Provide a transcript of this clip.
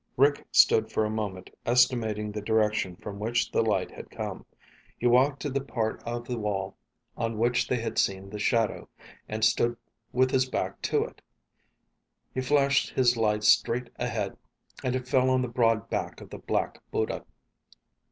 Rick stood for a moment estimating the direction from which the light had come. He walked to the part of the wall on which they had seen the shadow, and stood with his back to it. He flashed his light straight ahead, and it fell on the broad back of the Black Buddha.